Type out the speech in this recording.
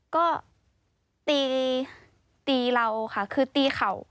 ก็ตีตีเราค่ะคือตีเข่า